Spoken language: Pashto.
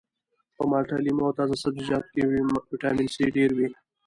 په مالټه لیمو او تازه سبزیجاتو کې ویټامین سي ډیر وي